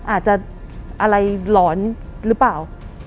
อาจจะอะไรหลอนหรือเปล่า